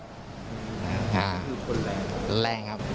คือคนแรงคนแรงครับ